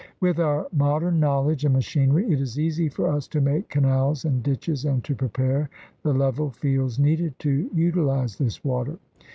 With our modem knowledge and machinery it is easy for us to make canals and ditches and to prepare the level fields needed to utilize this water.